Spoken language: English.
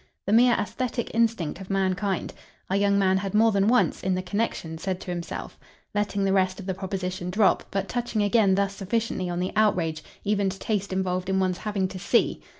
"The mere aesthetic instinct of mankind !" our young man had more than once, in the connexion, said to himself; letting the rest of the proposition drop, but touching again thus sufficiently on the outrage even to taste involved in one's having to SEE.